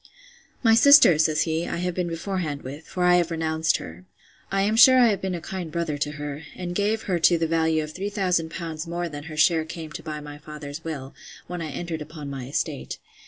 My sister, says he, I have been beforehand with; for I have renounced her. I am sure I have been a kind brother to her; and gave her to the value of 3000L. more than her share came to by my father's will, when I entered upon my estate.